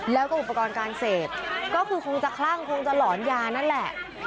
แล้วก็อุปกรณ์การเสพก็คือคงจะคลั่งคงจะหลอนยานั่นแหละ